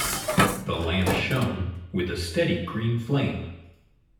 The lamp shone with a steady green flame.